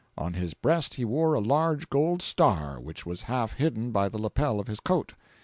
On his breast he wore a large gold star, which was half hidden by the lapel of his coat.